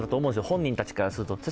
本人たちからすると。